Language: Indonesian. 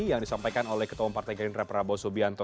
yang disampaikan oleh ketua partai gerindra prabowo subianto